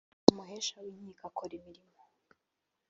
umuhesha w’inkiko akora imirimo